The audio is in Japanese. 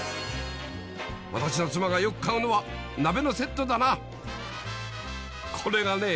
私の妻がよく買うのは鍋のセットだなこれがね